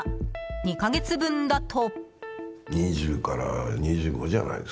２か月分だと。